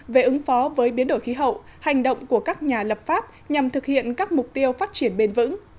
về ứng phó với biến đổi khí hậu hành động của các nhà lập pháp nhằm thực hiện các mục tiêu phát triển bền vững